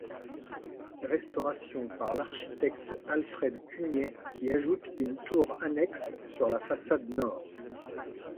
Restauration par l'architecte Alfred Cugnet qui ajoute une tour annexe sur la façade nord.